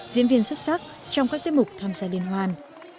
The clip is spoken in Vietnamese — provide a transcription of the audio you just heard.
diễn viên xuất sắc trong các tiết mục tham gia liên hoan